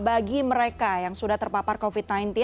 bagi mereka yang sudah terpapar covid sembilan belas